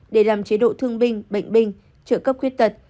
để làm chế độ thương binh bệnh binh trợ cấp khuyết tật